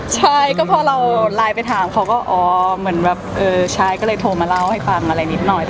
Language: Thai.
ใช่ก็พอเราไลน์ไปถามเขาก็อ๋อเหมือนแบบเออชายก็เลยโทรมาเล่าให้ฟังอะไรนิดหน่อย